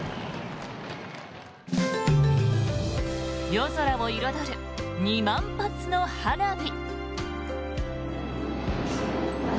夜空を彩る２万発の花火。